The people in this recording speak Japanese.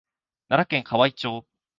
奈良県河合町